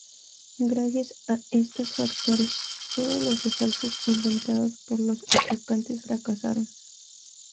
Gracias a estos factores, todos los asaltos intentados por los atacantes fracasaron.